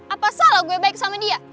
apa salah gue baik sama dia